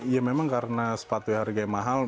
ya memang karena sepatu harga yang mahal